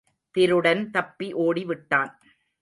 திருடன் தப்பி ஓடிவிட்டான்.